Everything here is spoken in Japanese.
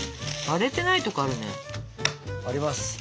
割れていないとこあるね。あります。